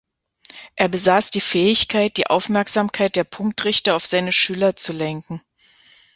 Er besaß die Fähigkeit, die Aufmerksamkeit der Punktrichter auf seine Schüler zu lenken.